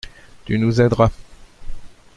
Tu nous aideras.